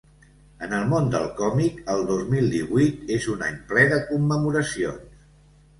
En el món del còmic el dos mil divuit és un any ple de commemoracions.